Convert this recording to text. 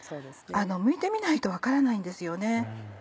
むいてみないと分からないんですよね。